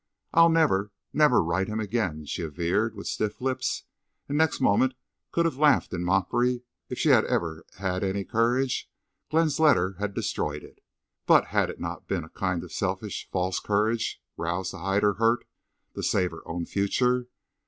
"I'll never—never write him again," she averred with stiff lips, and next moment could have laughed in mockery at the bitter truth. If she had ever had any courage, Glenn's letter had destroyed it. But had it not been a kind of selfish, false courage, roused to hide her hurt, to save her own future?